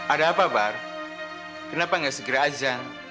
ada apa bar kenapa nggak segera ajang